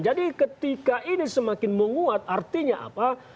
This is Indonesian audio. jadi ketika ini semakin menguat artinya apa